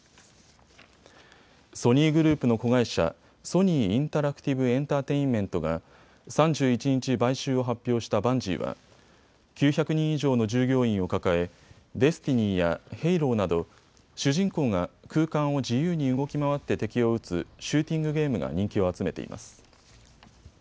ソニーグループの子会社、ソニー・インタラクティブエンタテインメントが３１日、買収を発表したバンジーは９００人以上の従業員を抱えＤＥＳＴＩＮＹやＨＡＬＯなど主人公が空間を自由に動き回って敵を撃つシューティングゲームが人気を集めています。